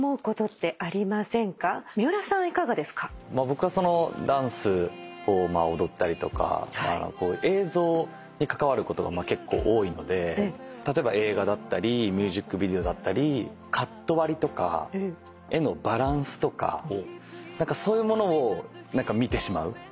僕はダンスを踊ったりとか映像に関わることが結構多いので例えば映画だったりミュージックビデオだったりカット割りとか絵のバランスとかそういうものを見てしまう。